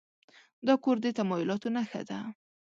دا کور د تمایلاتو نښه ده.